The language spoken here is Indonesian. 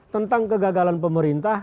tentang kegagalan pemerintah